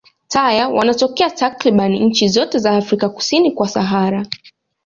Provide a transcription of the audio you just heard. Taya wanatokea takriban nchi zote za Afrika kusini kwa Sahara.